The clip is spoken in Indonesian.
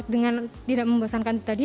dengan tidak membosankan tadi